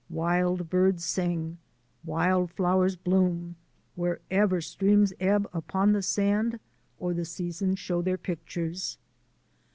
Wild birds sing, wild flowers bloom wherever streams ebb upon the sand or the seasons show their pictures.